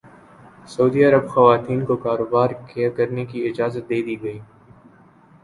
سعودی عرب خواتین کو کاروبار کرنے کی اجازت دے دی گئی